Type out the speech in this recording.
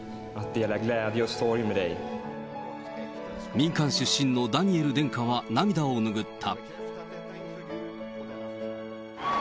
民間出身のダニエル殿下は涙をぬぐった。